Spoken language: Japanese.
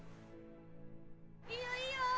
・いいよいいよ！